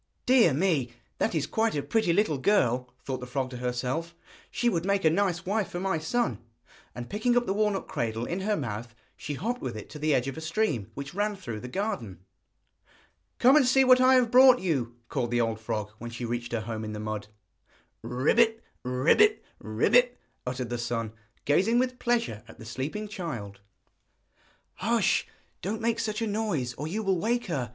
'Dear me! that is quite a pretty little girl,' thought the frog to herself; 'she would make a nice wife for my son.' And picking up the walnut cradle in her mouth, she hopped with it to the edge of a stream which ran through the garden. 'Come and see what I have brought you,' called the old frog, when she reached her home in the mud. 'Croak! croak! croak!' uttered the son, gazing with pleasure at the sleeping child. 'Hush; don't make such a noise or you will wake her!'